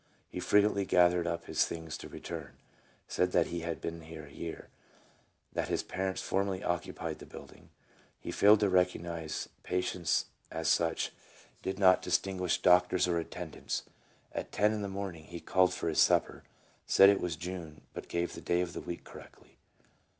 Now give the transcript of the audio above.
He frequently gathered up his things to return, said that he had been here a year, that his parents formerly occupied the building. He failed to recognize patients as such, did not dis tinguish doctors or attendants. At ten in the morning he called for his supper, said it was June, but gave the day of the week correctly.